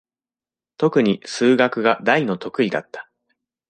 とくに数学が大の得意だった。